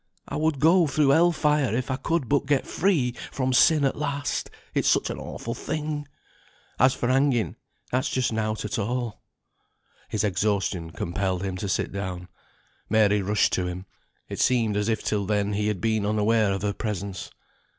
I would go through Hell fire if I could but get free from sin at last, it's such an awful thing. As for hanging, that's just nought at all." His exhaustion compelled him to sit down. Mary rushed to him. It seemed as if till then he had been unaware of her presence.